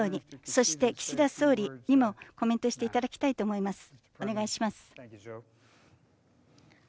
そして、岸田総理にもコメントしていただきたいと思います。